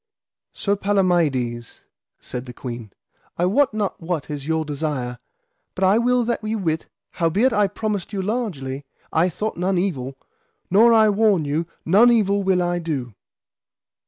Sir Palamides, said the queen, I wot not what is your desire, but I will that ye wit, howbeit I promised you largely, I thought none evil, nor I warn you none evil will I do.